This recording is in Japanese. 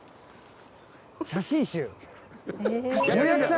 写真集！